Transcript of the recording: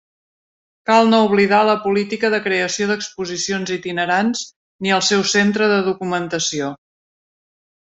Cal no oblidar la política de creació d’exposicions itinerants ni el seu centre de documentació.